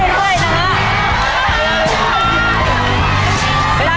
เดี๋ยวล้อให้ไปต่อ